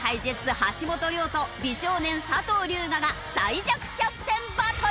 橋本涼と美少年佐藤龍我が最弱キャプテンバトル！